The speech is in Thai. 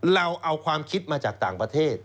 เราเอาความคิดมาจากต่างประเทศ